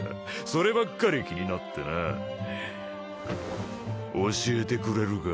そればっかり気になってな教えてくれるか？